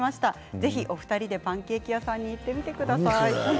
ぜひお二人でパンケーキ屋さんに行ってみてください。